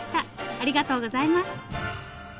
ありがとうございます。